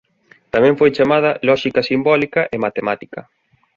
Tamén foi chamada "lóxica simbólica" e "matemática".